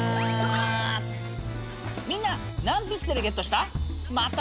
みんな何ピクセルゲットした？